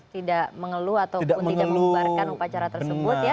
tidak mengeluh ataupun tidak membubarkan upacara tersebut ya